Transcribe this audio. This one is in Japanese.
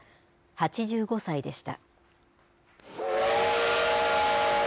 ８５歳でした。